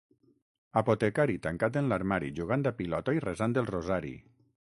Apotecari, tancat en l'armari, jugant a pilota i resant el rosari.